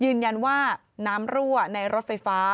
ยืนยันว่าน้ำรั่วในรถไฟฟ้า